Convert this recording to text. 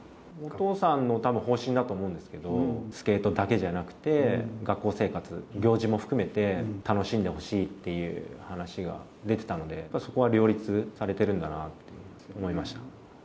お父さんのたぶん方針だと思うんですけど、スケートだけじゃなくて、学校生活、行事も含めて楽しんでほしいっていう話が出てたので、やっぱそこは両立されてるんだなと思いました。